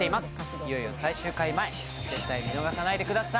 いよいよ最終回前、絶対見逃さないでください。